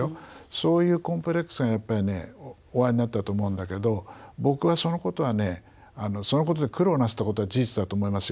そういうコンプレックスがやっぱりねおありになったと思うんだけど僕はそのことはねそのことで苦労なさったことは事実だと思いますよ